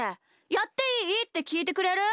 「やっていい？」ってきいてくれる？